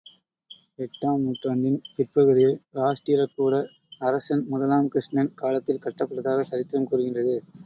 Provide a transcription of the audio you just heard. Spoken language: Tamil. எட்டாம் நூற்றாண்டின் பிற்பகுதியில் ராஷ்டிரக்கூட அரசன் முதலாம் கிருஷ்ணன் காலத்தில் கட்டப் பட்டதாகச் சரித்திரம் கூறுகின்றது.